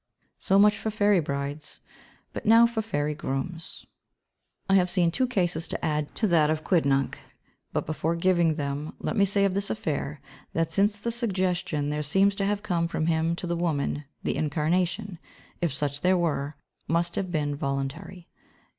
So much for fairy brides, but now for fairy grooms. I have two cases to add to that of Quidnunc, but before giving them, let me say of his affair that since the suggestion there seems to have come from him to the woman, the incarnation, if such there were, must have been voluntary.